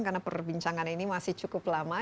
karena perbincangan ini masih cukup lama